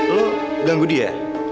eh lo ganggu dia